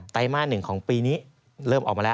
ไรมาส๑ของปีนี้เริ่มออกมาแล้ว